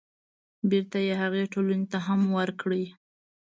بېرته يې هغې ټولنې ته هم ورکړي.